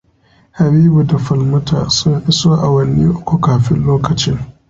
Habibu da Falmata sun iso awanni uku kafin lokacin.